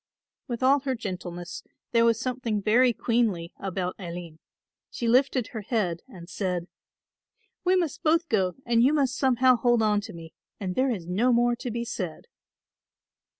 With all her gentleness there was something very queenly about Aline. She lifted her head and said, "We must both go and you must somehow hold on to me and there is no more to be said."